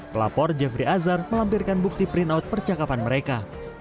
pelapor jeffrey azar melampirkan bukti printout percakapan mereka